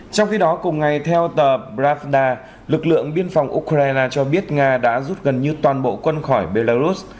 trong khi đó cùng ngày theo tờ prafda lực lượng biên phòng ukraine cho biết nga đã rút gần như toàn bộ quân khỏi belarus